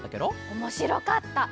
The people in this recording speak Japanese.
おもしろかった！